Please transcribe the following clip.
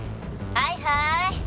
はいはい。